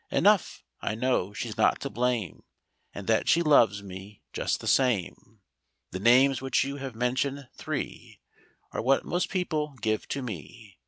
Enough, I know she's not to blame. And that she loves me just the same." Copyrighted, 1897 I HE names which you have mentioned, three, what most people give to me."